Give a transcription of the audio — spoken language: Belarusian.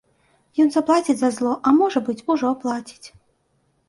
Ён заплаціць за зло, а можа быць, ужо плаціць.